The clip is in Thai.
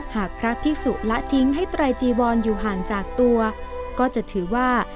หากพระพิสุละทิ้งให้ไตรจีวรอยู่ห่างจากตัวก็จะถือว่า